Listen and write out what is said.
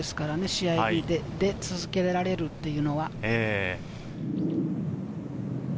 試合に出続けられるというのは。